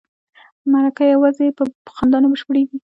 مرکه یوازې په خندا نه بشپړیږي.